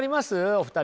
お二人は。